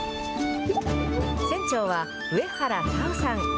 船長は上原薫生さん。